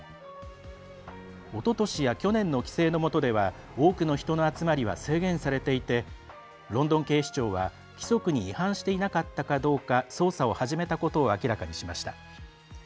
おととしや去年の規制のもとでは多くの人の集まりは制限されていてロンドン警視庁は、規則に違反していなかったかどうか捜査を始めたことを明らかにしました。